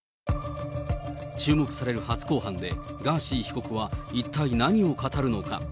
注目される初公判で、ガーシー被告は一体何を語るのか。